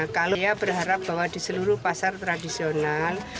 kalo ya berharap bahwa di seluruh pasar tradisional